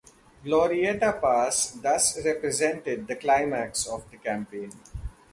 Glorieta Pass thus represented the climax of the campaign.